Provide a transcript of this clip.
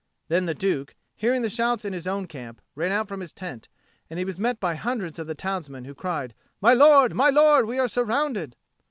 Then the Duke, hearing the shouts in his own camp, ran out from his tent; and he was met by hundreds of the townsmen, who cried, "My lord, we are surrounded!"